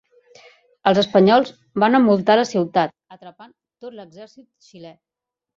Els espanyols van envoltar la ciutat, atrapant tot l'exèrcit xilè.